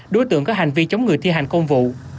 đối tượng có hành vi chống người thi hành công vụ